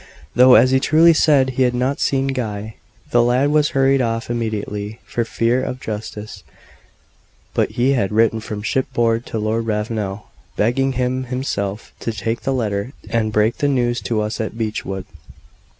Though, as he truly said, he had not seen Guy. The lad was hurried off immediately, for fear of justice: but he had written from shipboard to Lord Ravenel, begging him himself to take the letter and break the news to us at Beechwood.